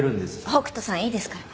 北斗さんいいですから。